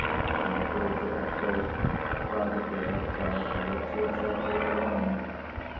My daughter, of course, privately held fast to what she had said all along.